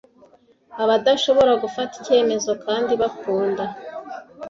Abadashobora gufata icyemezo kandi bakunda